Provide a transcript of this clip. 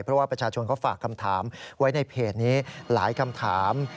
เพราะว่าประชาชนเขาฝากคำถามไว้ในเพจนี้หลายคำถาม